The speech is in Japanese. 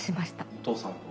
お父さんと？